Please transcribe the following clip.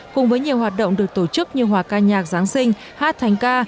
cùng với nhiều hoạt động được tổ chức như hòa ca nhạc giáng sinh hát thành ca